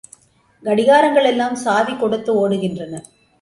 கடிகாரங்கள் எல்லாம் சாவி கொடுத்து ஓடுகின்றன.